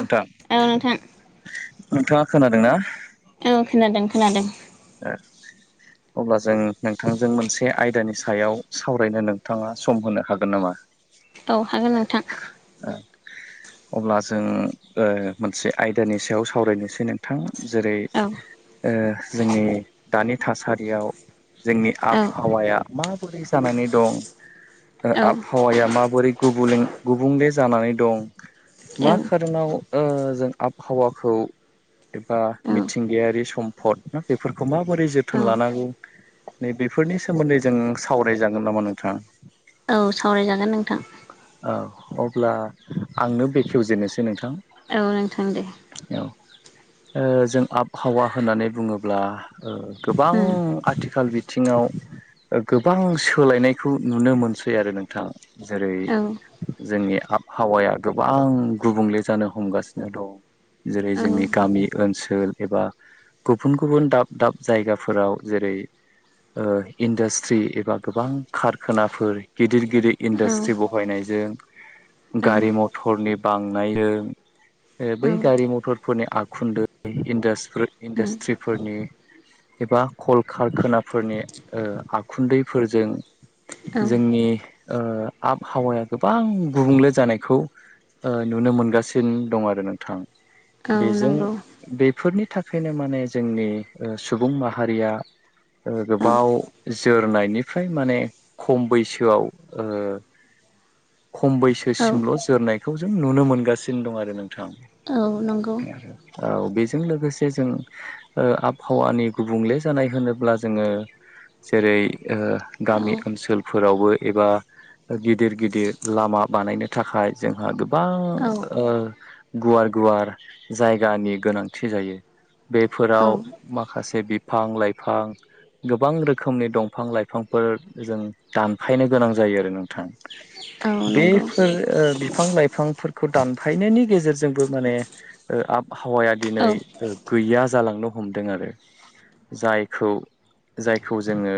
नोंथां नोंथां नोंथाङा खोनादोंना? औ खोनादों खोनादों। ओ। अब्ला जों नोंथांजों मोनसे आयदानि सायाव सावरायनो नोंथाङा सम होनो हागोन नामा? औ हागोन नोंथां। अब्ला जों ओ मोनसे आयदानि सायाव सावरायनोसै नोंथां। जेरै औ ओ जोंनि दानि थासारियाव जोंनि औ आबहावाया माबोरै जानानै दं ओ औ आबहावाया माबोरै गुबुले गुबुंले जानानै दं औ मा खारनाव ओ जों आबहावाखौ एबा औ मिथिंगायारि सम्फद ना बेफोरखौ माबोरै औ जोथोन लानांगौ नै बेफोरनि सोमोन्दै जों सावरायजागोन नामा नोंथां? औ सावरायजागोन नोंथां। औ अब्ला आंनो बेखेवजेननोसै नोंथां। औ नोंथां दे। औ ओ जों आबहावा होननानै बुङोब्ला ओ गोबां उम आथिखाल थिङाव ओ गोबां सोलायनायखौ नुनो मोनसै आरो नोंथाङा जेरै औ जोंनि आबहावाया गोबां गुबुंले जानो हमगासिनो दं। जेरै औ जोंनि गामि ओनसोल एबा गु गुबुन गुबुन दाब दाब जायगाफोराव जेरै ओ इन्डास्ट्रि एबा गोबां कारखानाफोर गिदिर गिदिर औ इन्डास्ट्रि बहायनाय जों औ गारि मथरनि बांनायजों बै उम गारि मथर फोरनि आखुन्दै इन्दास इन्दास नि एबा कल खारखानाफोरनि ओ आखुन्दैफोरजों औ जोंनि ओ आबहावाया गोबां गुबुंले जानायखौ ओ नुनो मोनगासिनो दं आरो नोंथां। औ बेजों नंगौ बेफोरनि थाखायनो माने जोंनि ओ सुबुं माहारिया ओ औ गोबाव जोरनायनिफ्राय माने खम बैसोआव ओ खम औ बैसोसिमल' जोरनायखौ जों नुनो मोनगासिनो दं आरो नों थां औ नंगौ औ बेजों लोगोसे जों ओ आबहावानि गुबुंले जानाय होनोब्ला जोङो जेरै ओ औ गामि ओनसोलफोरावबो एबा गिदिर गिदिर लामा बानायनो थाखाय जोंहा गोब औ गोबां ओ गुवार गुवार जायगानि गोनांथि जायो बे औ फोराव माखासे बिफां लाइफां गोबां रोखोमनि दंफां लाइफांफोर जों दानफायनो गोनां जायो आरो नोंथां। औ नंगौ बेफोर ओ बिफां लाइफांफोर खौ दानफायनायनि गेजेरजोंबो माने ओ आबहावाया औ दिनै गैया जालांनो हमदों आरो जायखौ जायखौ जोङो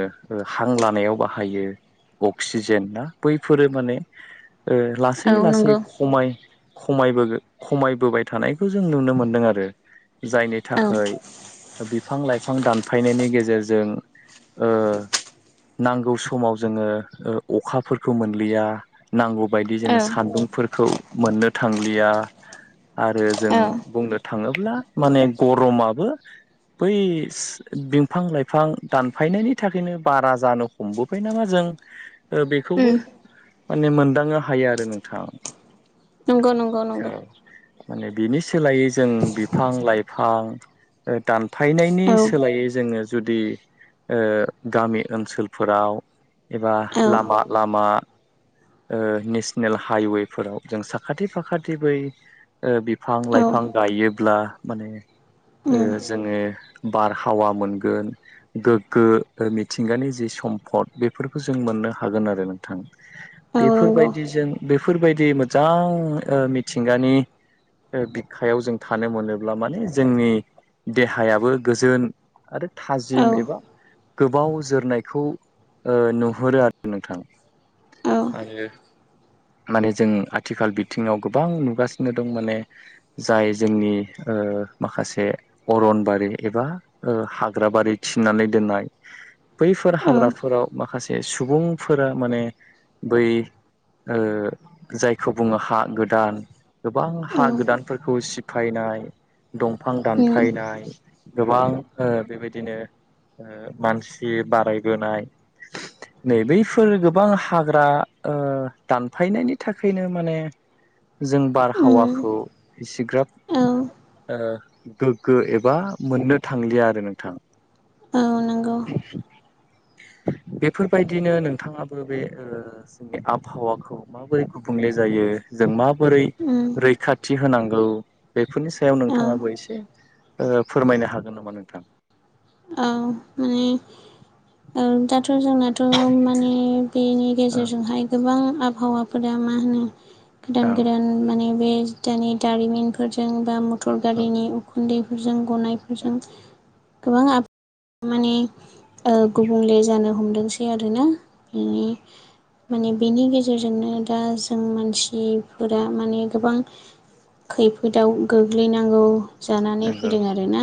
हां लानायाव बाहायो। अक्सिजेन ना बैफोरो माने ओ लासै औ लासै नंगौ खमाय खमायबो खमायबोबाय थानायखौ जों नुनो मोनदों आरो जायनि था औ खाय बिफां लाइफां दानफायनायनि गेजेरजों ओ नांगौ समाव जोङो ओ अखाफोरखौ मोनलिया नांगौ बायदि औ जोङो सान्दुं फोरखौ मोननो थांलिया आरो जों औ बुंनो थाङोब्ला माने गरमाबो बैस बिफां लाइफां दानफायनायनि थाखायनो बारा जानो हमबोबाय नामा जों ओ बेखोबो उम माने मोनदांनो हायो आरो नोंथां। नंगौ नंगौ औ नंगौ। माने बिनि सोलायै जों बिफां लाइफां हां दानफायनायनि औ सोलायै जोङो जुदि ओ गामि ओनसोलफोराव एबा औ लामा लामा ओ नेसनेल हाइवेफोराव जों साखाथि फाखाथि बै ओ बिफां औ लाइफां गायोब्ला माने ओ उम जोङो बारहावा मोनगोन गोग्गो मिथिंगानि जि सम्पद बेफोरखौ जों मोननो हागोन आरो नोंथां औ बेफोर नंगौ बायदिजों बेफोर बायदि मोजां मिथिंगानि ओ बिखायाव जों थानो मोनोब्ला माने जोंनि देहायाबो गोजोन आरो औ थाजिम एबा गोबाव जोरनायखौ नुहुरो आरो नोंथां। औ आरो माने जों आथिखाल बिथिङाव गोबां नुगासिनो दं माने जाय जोंनि ओ माखासे अरनबारि एबा ओ हाग्राबारि थिनानै दोननाय। बैफोर औ हाग्राफोराव माखासे सुबुंफोरा माने बै ओ जायखौ बुंयो हा गोदान गोबां औ हा गोदानफोरखौ सिफायनाय दंफां उम दानफायनाय गोबां ओ बेबायदिनो मानसि बाराय बोनाय नै बैफोर गोबां हाग्रा ओ दानफायनायनि थाखायनो माने जों उम बारहावाखौ इसिग्राब औ ओ गोग्गो एबा मोननो थांलिया आरो नोंथाङा। औ नंगौ। [inaudible] बेफोर बायदिनो नोंथाङाबो बे ओ जोंनि आबहावाखौ माबोरै गुबुंले जायो जों मा बोरै उम रैखाथि होनांगौ बेफोरनि सायाव औ नोंथाङाबो एसे ओ फोरमायनो हागोन नामा नोंथां। औ माने औ दाथ' जोंनाथ माने बेनि औ गेजेरजोंहाय गोबां आबहावाफोरा मा होनो औ गोदान गोदान माने बे दानि दारिमिनफोरजों बा मटर औ गारिनि उखुन्दैफोरजों गनायफोरजों गोबां आब माने गुबुंले जानो हमदोंसै आरोना बिनि माने बेनि गेजेरजोंनो दा जों मानसिफोरा माने गोबां खैफोदाव गोग्लैनांगौ जानानै नंगौ फैदों आरोना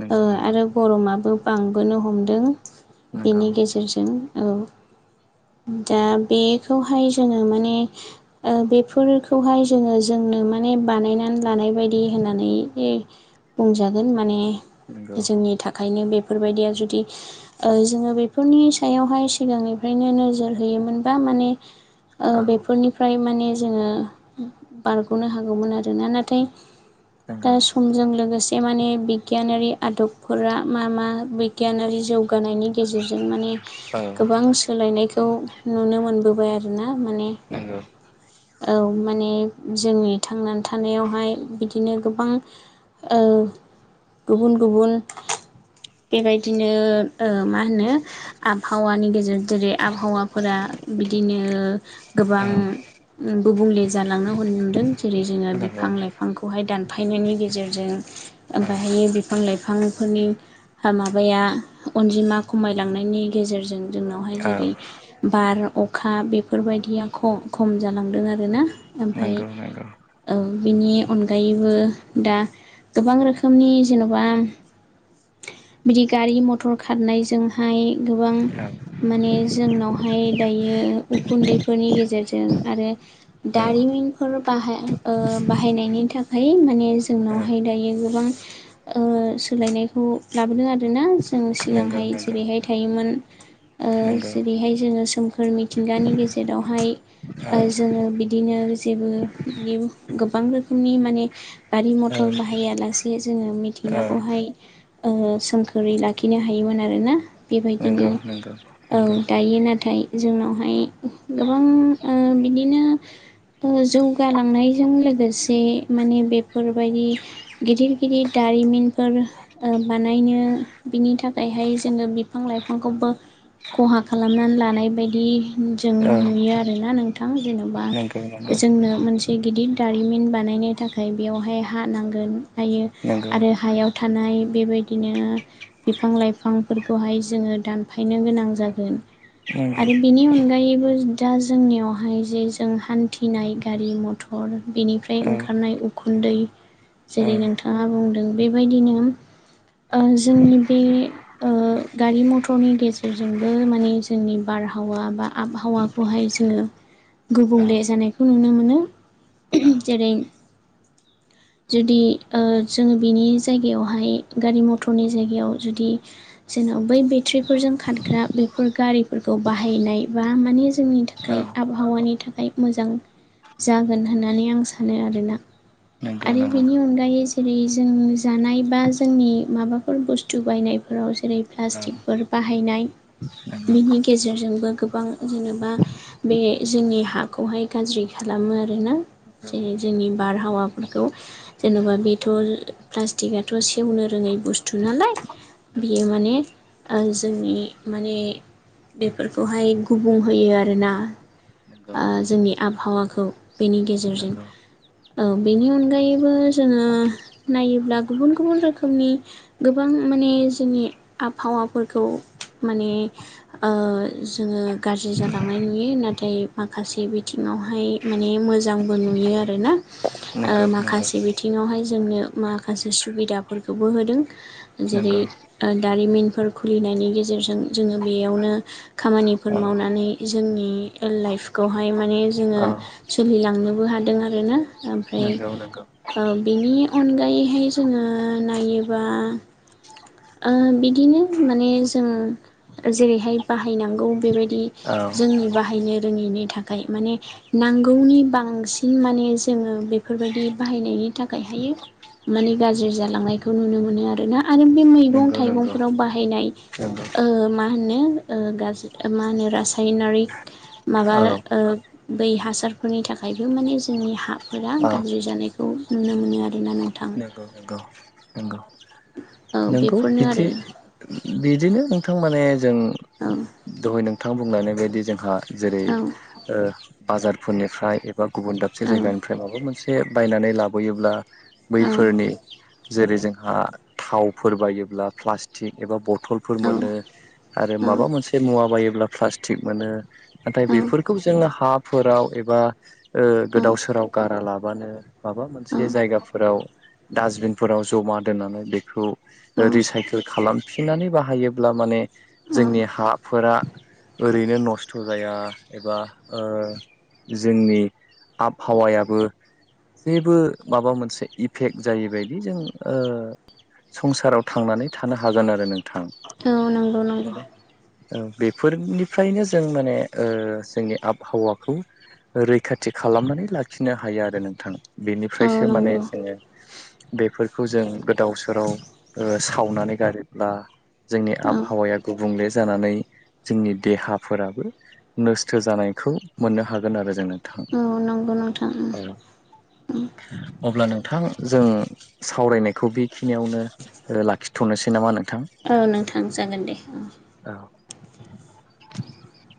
नंगौ नंगौ आरो गरमाबो बांबोनो हमदों। नंगौ बेनि गेजेरजों ओ दा बेखौहाय जोङो माने बेफोरखौहाय जोङो जों आंनो माने बानायनानै लानाय बायदि होननानै बुंजागोन। माने नंगौ। जोंनि बेफोरबायदिया जुदि जोङो बेफोरनि सायावह सिगांनिनो नोजोर होयो मोनबा माने औ बेफोरनिफ्राय माने जोङो बारग'नो हागौमोन आरोना नाथाय दा नंगौ समजों लोगोसे माने बिगियानारि आदब फोर मा मा बिगियानारि जौग जौगानायनि गेजेरजों माने औ गोबां सोलायनायखौ नुनो मोनबोबाय आरोना माने [inaudible] औ माने जोंनि थांनानै थानायावहाय बिदिनो गोबां औ गुबुन गुबुन बेबायदिनो मा होनो आबहावानि गेजेर जेरै आबहावाफोरा बिदिनो गोबां औ गुबुंले जालांनो ह नमदों जेरै जोङो नंगौ बिफां लाइफांखौहाय दानफायनायनि गेजेरजों औ ओमहायो बिफां लाइफां बिफांफोरनि माबाया अनजिमा खमायलांनायनि गेजेरजों जोंनावहाय जेरै औ बार अखा बेफोरबायदिया खम जालांदों आरोना। ओमफाय नंगौ नंगौ औ बिनि अनगायैबो दा गोबां रोखोमनि जेन'बा बिदि गारि मथर खारनायजोंहाय गोबां औ माने जोंनावहाय दायो उखुन्दैफोरनि गेजेरजों आरो दारि औ इनफोर बाह बाहायनायनि थाखाय माने औ जोंनावहाय दायो गोबां औ सोलायनायखौ लाबोदों आरो आरोना जों नंगौ सिगांहाय नंगौ जेरैहाय थायोमोन। औ नंगौ जेरैहाय जोङो सोमखोर मिथिंगानि गेजेरावहाय औ जोङो बिदिनो जेबो बियो गोब गोबां रोखोमनि माने गारि औ मथर बाहाया लासे जोङो औ मिथिंगाखौहाय ओ सोमखोरै लाखिनो हायोमोन आरोना। बेबायदिनो नंगौ नंगौ औ नंगौ दायो नाथाय जोंनावहाय गोबां बिदिनो जौगालांनायजों लोगोसे से माने बेफोरबायदि गिदिर गिदिर दारिमिन फोर बानायनो बिनि थाखायहाय जोङो बिफां लाइफांखौबो खहा खालामनानै लानाय बायदि जों औ नुयो आरोना नोंथां जेन'बा नंगौ नंगौ जोंनो मोनसे गिदिर दारिमिन बानायनो थाखाय बेवहाय हा नांगोन हायो। नंगौ आरो हायाव थानाय बेबायदिनो बिफां लाइफांफोरखौहाय जोङो दानफायनो गोनां जागोन। नंगौ आरो बेनि अनगायैबो दा जोंनियावहाय जे जों हान थनाय गारि मथर बेनिफ्राय औ ओंखारनाय उखुन्दै औ जेरै नोंथाङा बुंदों बेबायदिनो ओ जोंनि बे गारि मथरनि गेजेरजों जोंबो माने जोंनि बारहावा बा आबहावाखौहाय जोङो औ गुबुंले जानायखौ नुनो मोनो जेरै जुदि ओ जोङो बिनि जायगायावहाय गारि मथरनि जायगायाव जुदि जोंनाव बै बेट्रिफोरजों खारग्रा बे फोर गारिफोरखौ बाहायनाय बा माने जोंनि औ थाखाय आबहावानि था खाय मोजां जागोन होननानै आं सानो आरोना। नंगौ आरै नंगौ बेनि अनगायै जेरै जों जानाय बा जोंनि माबाफोर बुस्थु बायनायफोराव जेरै औ प्लास्टिकफोर बाहायनाय। नंगौ बिनि गेजेरजोंबो गोबां जेनेबा बे जोंनि हाखौहाय गाज्रि खाला खामो आरोना नंगौ नंगौ जेरै जोंनि बारहावाफोरखौ जेन'बा बेथ' प्लास्टिकआथ' सेवनो रोङै बुस्थु नालाय। बियो माने ओ जोंनि माने बेफोरखौहाय गुबुंहोयो आरोना। नंगौ नंगौ ओ जोंनि आबहावाखौ बेनि गेजेरजों। नंगौ औ बेनि अनगायैबो जोङो। नायोब्ला गुबुन-गुबुन रोखोमनि गोबां माने जोंनि आबहावाफोरखौ माने ओ जोङो गाज्रि जालांनाय नुयो नाथाय माखासे बिथिं आवहाय माने मोजांबो नुयो आरोना ओ नंगौ नंगौ माखासे बिथिङावहाय जोंनो माखासे सुबिदाफोरखौबो होदों जेरै नंगौ औ ओ दारिमिनफोर खुलिनायनि गेजेरजों जोङो बेयावनो खामानिफोर मावनानै जोंनि ओ लाइफखौहाय मा ने जोङो औ सोलिलांनोबो हादों आरोना ओमफ्राय नंगौ नंगौ ओ बिनि अनगायैहाय जोङो नायोबा ओ बिदिनो माने जों जेरैहाय बाहायनांगौ बेबाय दि औ जोंनि बाहायनो रोङैनि थाखाय माने नांगौनि बांसिन माने जोङो बेफोरबायदि बाहायनाय नि थाखाय हायो माने गाज्रि जालांनायखौ नुनो मोन आरोना आरो [unintelligible] मैगं नंगौ नंगौ नंगौ औ थाइगंफोराव बाहायनाय ओ मा होनोे ओ गाज्रि ओ मा होनो रासायनारिक माबा औ ओ बै हासारफोरनि थाखायबो माने जोंनि हाफोरा गाज्रि जानायखौ नुनो मोनो आरोना नोंथां। नोंगौ-नोंगौ। औ नोंगौ बेफोरनो बिदि आरो बि दिनो नोंथां माने जों औ दहाय नोंथां बुंलायनाय बायदि जोंहा जेरै औ ओ बाजारफोरनिफ्राय एबा गुबुन दाबसे औ जायगानिफ्राय माबा मोनसे से बायनानै लाबोयोब्ला बैफोरनि जेरै जोंहा थाव फोर बायोब्ला प्लास्टिक एबा बथलफोर मोनो आरो माबा मोनसे मुवा बायो ब्ला प्लास्टिक मोनो नाथाय बेफोरखौ जोङो हाफोराव एबा ओ गोदाव नंगौ सोराव गारा लाब बानो माबा मोनसे जायगाफोराव डास्टबिनफोराव जमा दोननानै बेखौ रिसाइकेल खालामफिननानै बाहायोब्ला माने जोंनि हाफोरा ओरैनो न' खस्थ' जाया एबा ओ जोंनि आबहावायाबो। जेबो माबा मोनसे इफेक्ट जायैबायदि जों ओ संसाराव थांनानै थानो हागोन आरो नों औ नंगौ-नंगौ। औ बेफोरनिफ्रायनो जों माने ओ जोंनि आबहावाखौ। रैखाथि खालामनानै लाखिनो हायो आरो नोंथां। औ बेनिफ्रायसो माने नंगौ जोङो बेफोरखौ जों गोदाव सोराव ओ सावनानै गारोब्ला जोंनि औ आबहावाया गुबुंले जानानै जोंनि देहाफोराबो नोस्थ' जानायखौ मोननो हागोन आरो जोङो। थां औ नंगौ नोंथां औ अब्ला नों नोंथां जों सावरायनायखौ बेखिनियावनो लाखिथ'नोसै नामा नोंथां? औ नों थां जागोन दे आं। [inaudible]